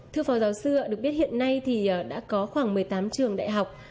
thưa phó giáo sư được biết hiện nay thì đã có khoảng một mươi tám trường đại học